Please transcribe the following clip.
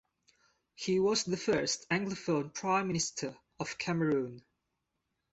He was the first Anglophone Prime Minister of Cameroon.